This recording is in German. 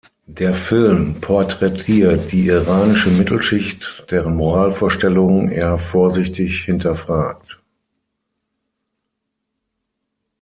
Der Film porträtiert die iranische Mittelschicht, deren Moralvorstellungen er vorsichtig hinterfragt.